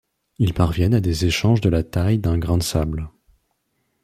Ils parviennent à des échanges de la taille d'un grain de sable.